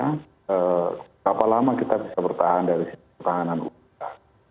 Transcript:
berapa lama kita bisa bertahan dari pertahanan udara